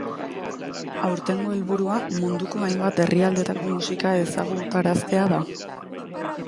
Aurtengo helburua munduko hainbat herrialdetako musika ezagutaraztea da.